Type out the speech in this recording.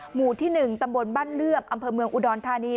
หมู่ที่๑ตำบลบ้านเลือบอำเภอเมืองอุดรธานี